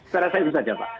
saya rasa itu saja pak